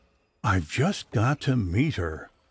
"I've just got to meet her.